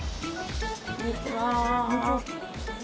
こんにちは。